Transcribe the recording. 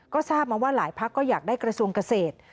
ก็ทราบมาว่าหลายพักก็อยากได้กระทรวงเกษตร